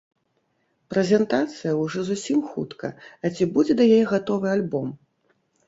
Прэзентацыя ужо зусім хутка, а ці будзе да яе гатовы альбом?